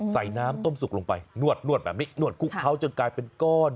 ใส่น้ำต้มสุกลงไปนวดแบบนี้นวดคลุกเขาจนกลายเป็นก้อน